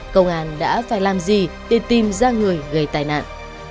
công an đã phải làm gì để tìm ra người gây tai nạn